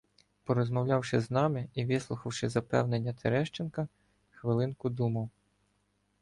Порозмовлявши з нами і вислухавши запевнення Терещенка, хвилинку думав.